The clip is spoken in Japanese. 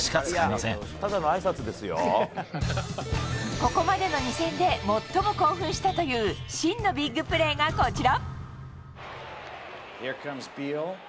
ここまでの２戦で最も興奮したという真のビッグプレーがこちら。